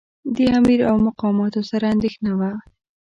د امیر او مقاماتو سره اندېښنه وه.